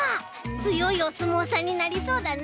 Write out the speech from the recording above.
つよいおすもうさんになりそうだね。